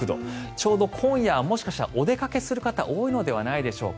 ちょうど今夜、お出かけする方多いのではないでしょうか。